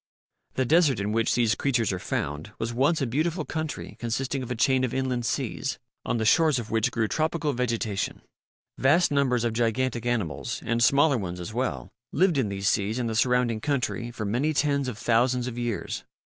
The desert in which these creatures are found was once a beautiful country consisting of a chain of inland seas, on the shores of which grew tropical vegetation. Vast numbers of gigantic animals and smaller ones as well lived in these seas and the surrounding country for many tens of thousands of years.